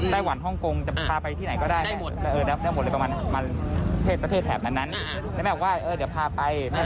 แล้วแม่บอกว่าเดี๋ยวพาไปแม่สัญญาแล้ว